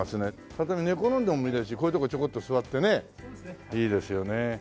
例えば寝転んでも見れるしこういうとこちょこっと座ってねいいですよね。